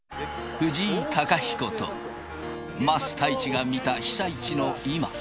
藤井貴彦と桝太一が見た被災地の今。